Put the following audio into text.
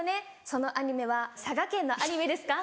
そのアニメは佐賀県のアニメですか？」。